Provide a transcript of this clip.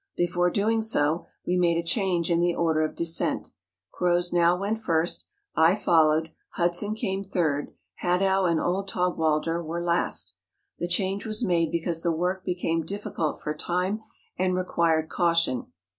Before doing so, we made a change in the order of descent; Croz now went first, I fol¬ lowed, Hudson came third, Hadow and old Taug walder were last. The change was made because the work became difficult for a time and required caution.